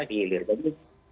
di hilir jadi